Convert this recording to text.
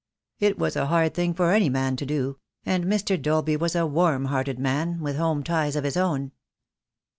It was a hard thing for any man to do; and Mr. Dolby was a warm hearted man, with home ties of his own.